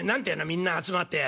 みんな集まってやるやつ。